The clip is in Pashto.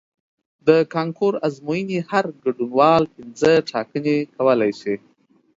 د کانکور ازموینې هر ګډونوال پنځه ټاکنې کولی شي.